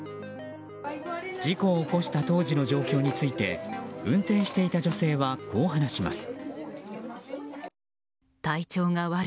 事故を起こした当時の状況について運転していた女性はこう話します。